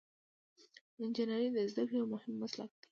انجنیری د زده کړې یو مهم مسلک دی.